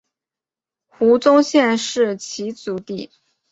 胡宗宪是其族弟。